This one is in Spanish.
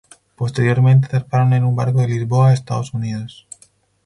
Posteriormente, zarparon en un barco de Lisboa a Estados Unidos.